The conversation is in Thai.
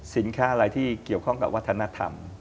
สินค้าอะไรที่เกี่ยวข้องกับวัฒนธรรม